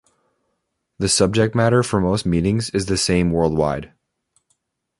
The subject matter for most meetings is the same worldwide.